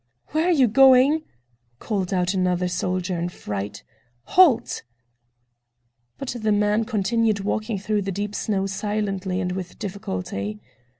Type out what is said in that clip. "Where are you going?" called out another soldier in fright. "Halt!" But the man continued walking through the deep snow silently and with difficulty.